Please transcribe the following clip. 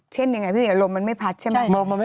เช่นอย่างไรพี่เมียวลมมันไม่พัดใช่ไหม